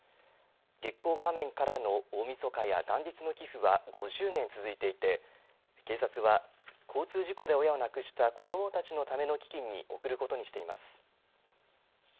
月光仮面からの大みそかや元日の寄付は５０年続いていて警察は交通事故で親を亡くした子どもたちのための基金に贈ることにしています。